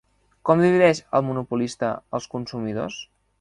Com divideix el monopolista els consumidors?